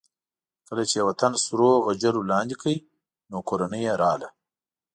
کله چې یې وطن سرو غجرو لاندې کړ نو کورنۍ یې راغله.